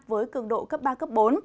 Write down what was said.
với cường độ cấp ba bốn